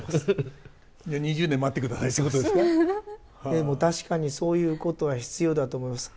でも確かにそういうことは必要だと思います。